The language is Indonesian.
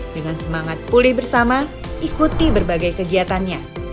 dengan semangat pulih bersama ikuti berbagai kegiatannya